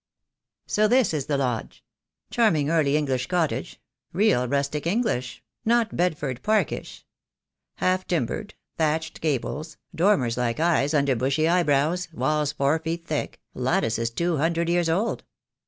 So this is the lodge — charming Early English cot tage— real rustic English, not Bedford Parkish — half timbered, thatched gables, dormers like eyes under bushy eyebrows, walls four feet thick, lattices two hundred years old.